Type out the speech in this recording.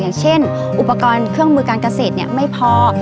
อย่างเช่นอุปกรณ์เครื่องมือการเกษตรไม่พอ